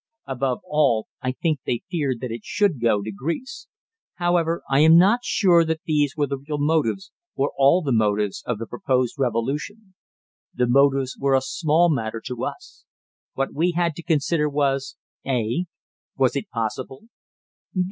Above all, I think they feared that it should go to Greece. However, I am not sure that these were the real motives, or all the motives, of the proposed revolution. The motives were a small matter to us. What we had to consider was (a) Was it possible?